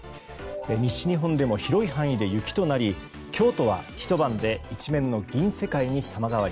西日本でも広い範囲で雪となり京都は、ひと晩で一面の銀世界に様変わり。